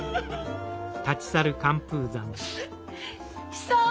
久男！